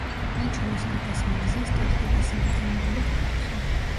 მათ შორის აბას მირზას ტახტი და საბრძანებელი კვერთხი.